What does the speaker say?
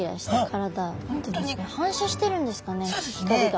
反射してるんですかね光が。